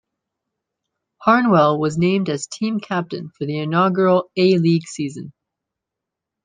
Harnwell was named as team captain for the inaugural A-League season.